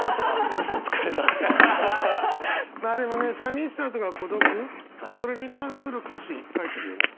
まあでもね寂しさとか孤独それに関する歌詞書いてるよね？